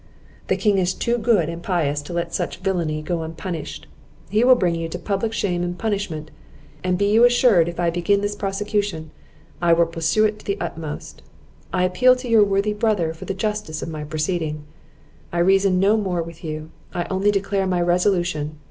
The King is too good and pious to let such villany go unpunished; he will bring you to public shame and punishment; and be you assured, if I begin this prosecution, I will pursue it to the utmost. I appeal to your worthy brother for the justice of my proceeding. I reason no more with you, I only declare my resolution.